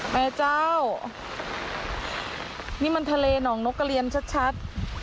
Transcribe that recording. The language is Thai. แม่เจ้านี่มันทะเลหนองนกกระเรียนชัด